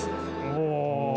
おお。